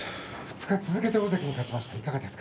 ２日続けて大関に勝ちました。